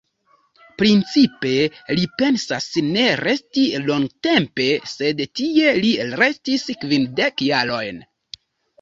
Principe, li pensas ne resti longatempe, sed tie li restis kvindek jarojn.